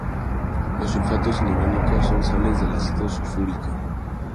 Los sulfatos inorgánicos son las sales del ácido sulfúrico.